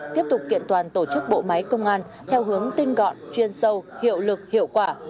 tiếp tục kiện toàn tổ chức bộ máy công an theo hướng tinh gọn chuyên sâu hiệu lực hiệu quả